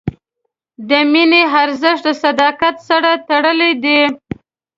د مینې ارزښت د صداقت سره تړلی دی.